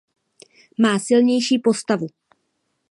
Má silnější postavu.